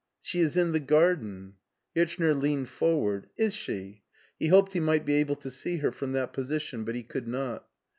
" She is in the garden." Hirchner leaned forward. "Is she?" He hoped he might be able to see her from that position, but he could not.